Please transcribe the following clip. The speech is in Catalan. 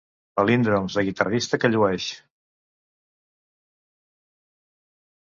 Palíndroms de guitarrista que llueix.